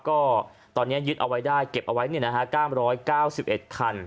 ก็ตอนนี้ยึดเอาไว้ได้เก็บเอาไว้๙๙๑คัน